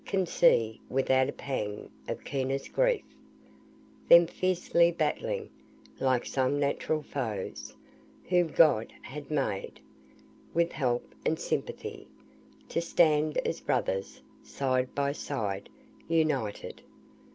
Can see, without a pang of keenest grief, Them fiercely battling (like some natural foes) Whom God had made, with help and sympathy, To stand as brothers, side by side, united!